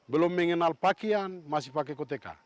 belum mengenal pakaian masih pakai koteka